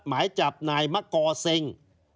หมายจับนายมะกอเซ็ง